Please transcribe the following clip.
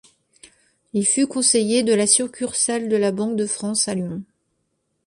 Il fut conseiller de la succursale de la Banque de France à Lyon.